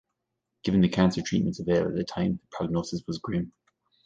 Given the cancer treatments available at the time, the prognosis was grim.